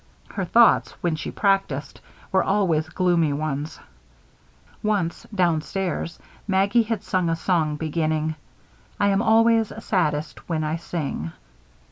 Her thoughts, when she practiced, were always gloomy ones. Once, downstairs, Maggie had sung a song beginning: "I am always saddest when I sing."